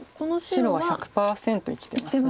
白は１００％生きてます